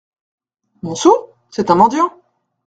Mon sou ? c’est un mendiant !